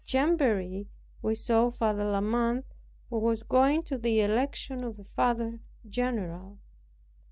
At Chamberry we saw Father La Mothe, who was going to the election of a Father general.